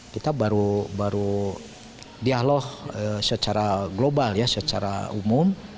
kita baru dialog secara global ya secara umum